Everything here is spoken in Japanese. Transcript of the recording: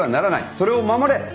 それを守れ」かな。